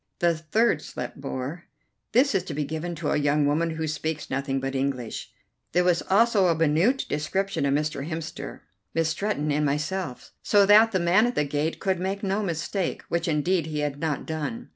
The third slip bore: "This is to be given to a young woman who speaks nothing but English." There was also a minute description of Mr. Hemster, Miss Stretton, and myself, so that the man at the gate could make no mistake, which indeed he had not done.